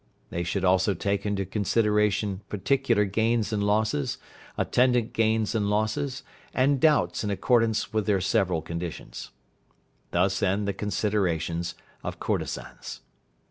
They should also take into consideration particular gains and losses, attendant gains and losses, and doubts in accordance with their several conditions. Thus end the considerations of courtesans.